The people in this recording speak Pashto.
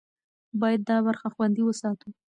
باید دا برخه خوندي وساتو.